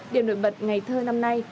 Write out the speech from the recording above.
điểm nổi bật ngày thơ năm nay